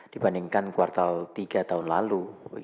dibandingkan kuartal tiga tahun lalu